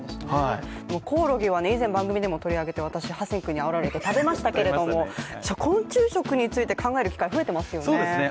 コオロギは以前も番組で取り上げて私、ハセン君にあおられて食べましたけれども、昆虫食について考える機会、増えていますよね。